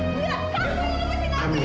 kamu nggak mau pergi